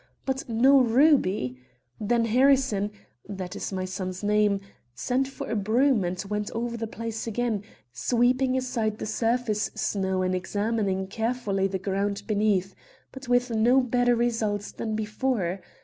But no ruby. Then Harrison (that is my son's name) sent for a broom and went over the place again, sweeping aside the surface snow and examining carefully the ground beneath, but with no better results than before.